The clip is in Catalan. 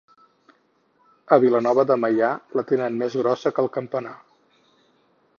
A Vilanova de Meià la tenen més grossa que el campanar.